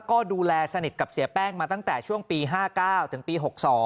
ก็ดูแลสนิทกับเสียแป้งมาตั้งแต่ช่วงปี๕๙ถึงปี๖๒